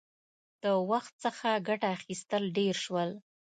• د وخت څخه ګټه اخیستل ډېر شول.